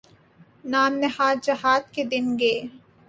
نام نہاد جہاد کے دن گئے۔